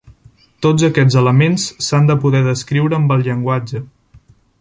Tots aquests elements s'han de poder descriure amb el llenguatge.